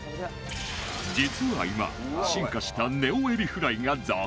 実は今進化したネオエビフライが続々登場